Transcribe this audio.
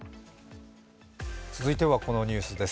続いてはこのニュースです。